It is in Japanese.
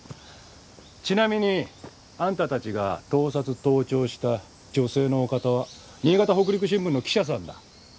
ちなみにあんたたちが盗撮盗聴した女性のお方は『新潟北陸新聞』の記者さんだ。